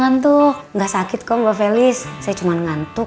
untuk dimasukin ppc saya blew surga